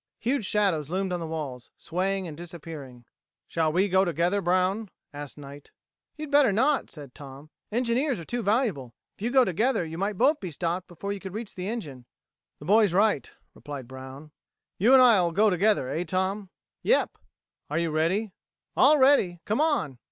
Huge shadows loomed on the walls, swaying and disappearing. "Shall we go together, Brown!" asked Knight. "You'd better not," said Tom. "Engineers are too valuable. If you go together you might both be stopped before you could reach the engine." "The boy's right," replied Brown. "You and I'll go together, eh, Tom?" "Yep." "Are you ready?" "All ready. Come on."